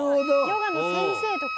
ヨガの先生とか？